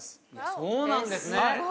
そうなんですね。